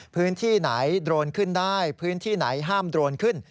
พื้นที่ไหนโดรนขึ้นได้พื้นที่ไหนห้ามโดรนขึ้น